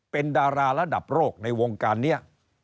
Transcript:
เป็นดาราระดับโลกในวงการนี้